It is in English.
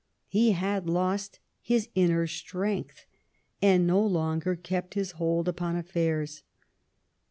He had lost his inner strength, and no longer kept his hold upon affairs.